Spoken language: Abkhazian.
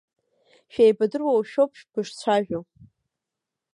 Шәеибадыруашәоуп бышцәажәо.